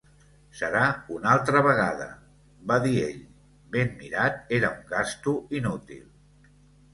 Serà un altra vegada, va dir ell. Ben mirat era un gasto inútil.